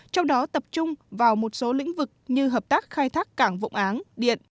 trong đó tập trung vào một số lĩnh vực như hợp tác khai thác cảng vụng áng điện